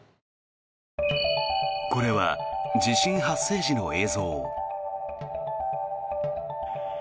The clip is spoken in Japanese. これは地震発生時の映像。